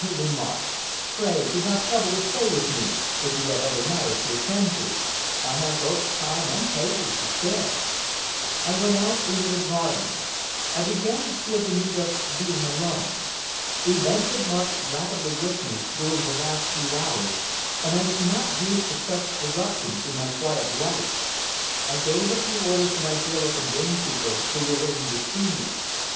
he remarked. "Pray do not trouble to stay with me, if you have other matters to attend to. I have both time and patience to spare." I went out into the garden. I began to feel the need of being alone. Events had marched rapidly with me during the last few hours and I was not used to such eruptions in my quiet life. I gave a few orders to my bailiff and gamekeeper, who were waiting to see me.